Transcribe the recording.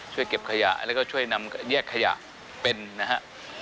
เก็บขยะแล้วก็ช่วยนำแยกขยะเป็นนะฮะ